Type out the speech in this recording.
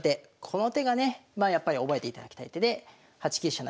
この手がねやっぱり覚えていただきたい手で８九飛車